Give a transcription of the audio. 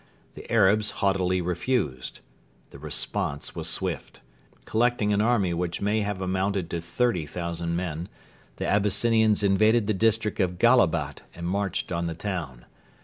The Arabs haughtily refused. The response was swift. Collecting an army which may have amounted to 30,000 men, the Abyssinians invaded the district of Gallabat and marched on the town.